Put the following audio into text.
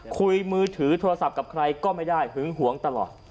คุยมือถือโทรศัพท์กับใครก็ไม่ได้หึงหวงตลอด